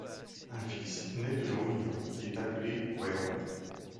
Un fils naît de leur union, il est appelé Gwern.